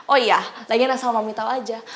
oh iya lagi nasabah mami tau aja